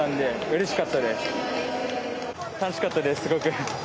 楽しかったです、すごく。